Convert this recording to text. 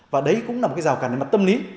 và đấy cũng là một cái rào cảnh mặt tâm lý